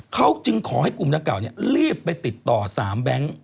เขาจึงขอให้กลุ่มนักเก่ารีบไปติดต่อ๓แบงค์